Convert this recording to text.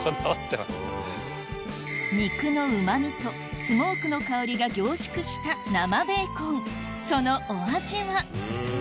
肉のうまみとスモークの香りが凝縮した生ベーコンそのお味は？